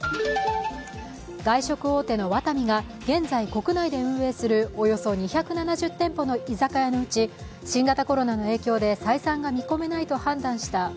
外食大手のワタミが現在国内で運営するおよそ２７０店舗の居酒屋のうち新型コロナの影響で採算が見込めないと判断した